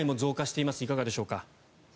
いかがでしょうか。